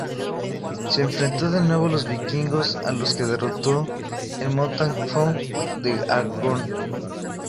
Se enfrentó de nuevo a los vikingos a los que derrotó en Montfaucon-d'Argonne.